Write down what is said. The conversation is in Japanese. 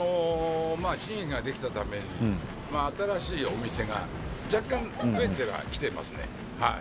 新駅ができたためにまあ新しいお店が若干増えてはきていますねはい。